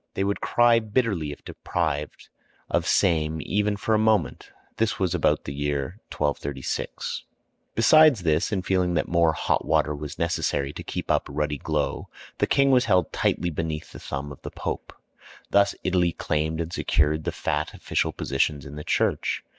They would cry bitterly if deprived of same even for a moment. This was about the year 1236. [Illustration: THE PROMPT CORONATION OF THE NINE YEAR OLD KING HENRY.] Besides this, and feeling that more hot water was necessary to keep up a ruddy glow, the king was held tightly beneath the thumb of the Pope. Thus Italy claimed and secured the fat official positions in the church.